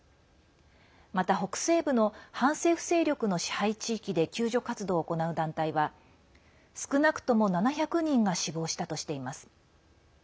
また、北西部の反政府勢力の支配地域で救助活動を行う団体は少なくとも７００人が死亡したとしています。